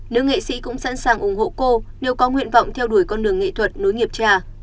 nữ nghệ sĩ cũng sẵn sàng ủng hộ cô nếu có nguyện vọng theo đuổi con đường nghệ thuật nối nghiệp trà